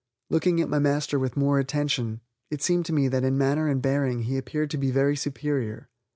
Looking at my master with more attention, it seemed to me that in manner and bearing he appeared to be very superior.